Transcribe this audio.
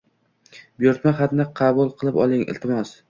Buyurtma xatni qabul qilib oling, iltimos.